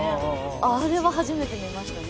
あれは初めて見ましたね。